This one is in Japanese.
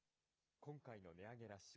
今回の値上げラッシュ。